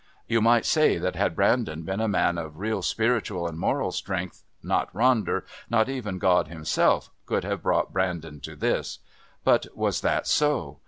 You might say that had Brandon been a man of real spiritual and moral strength, not Ronder, not even God Himself, could have brought Brandon to this. But was that so?